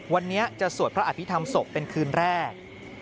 วันนี้จะสวดพระอภิษฐรรมศพเป็นคืนแรก